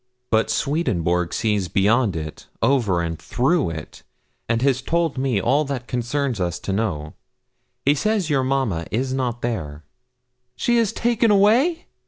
'But Swedenborg sees beyond it, over, and through it, and has told me all that concerns us to know. He says your mamma is not there.' 'She is taken away!'